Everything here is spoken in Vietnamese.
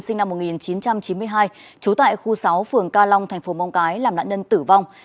sinh năm một nghìn chín trăm chín mươi hai chú tại khu sáu phường ca long tp móng cái làm nạn nhân tử vong